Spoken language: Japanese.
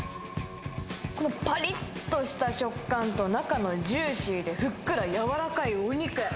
このぱりっとした食感と、中ジューシーでふっくらと柔らかいお肉。